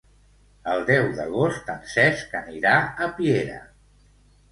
El deu d'agost en Cesc anirà a Piera.